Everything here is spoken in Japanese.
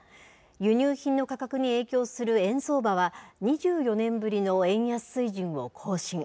輸入品の価格に影響する円相場は、２４年ぶりの円安水準を更新。